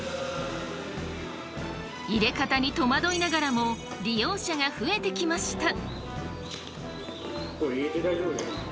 入れ方に戸惑いながらも利用者が増えてきました。